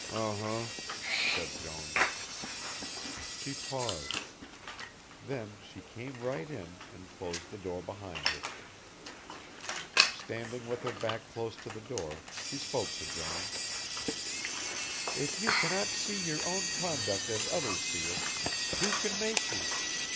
"Um um," said Jones. She paused. Then she came right in and closed the door behind her. Standing with her back close to the door she spoke to Jones. "If you cannot see your own conduct as others see it, who can make you?